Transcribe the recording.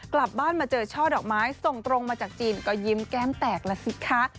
กลับบ้านมาเจอช่อดอกไม้ส่งตรงมาจากจีนก็ยิ้มแก้มแตกแล้วสิคะ